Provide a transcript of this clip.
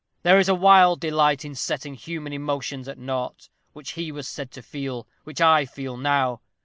There is a wild delight in setting human emotions at naught, which he was said to feel which I feel now.